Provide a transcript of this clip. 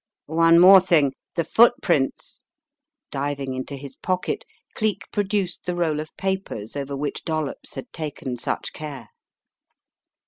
One more thing, the footprints " Diving into his pocket, Cleek produced the roll of papers over which Dollops had taken such care.